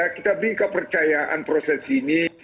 kita beri kepercayaan proses ini